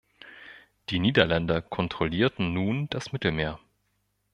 Die Niederländer kontrollierten nun das Mittelmeer.